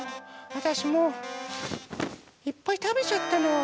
あたしもういっぱいたべちゃったの。